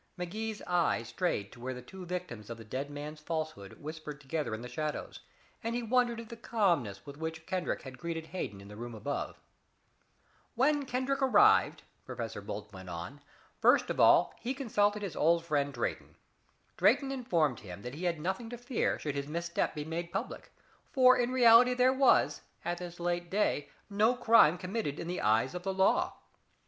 Magee's eyes strayed to where the two victims of the dead man's falsehood whispered together in the shadows, and he wondered at the calmness with which Kendrick had greeted Hayden in the room above. "When Kendrick arrived," Professor Bolton went on, "first of all he consulted his old friend Drayton. Drayton informed him that he had nothing to fear should his misstep be made public, for in reality there was, at this late day, no crime committed in the eyes of the law.